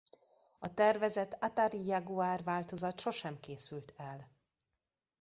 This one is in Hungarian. A tervezett Atari Jaguar változat sosem készült el.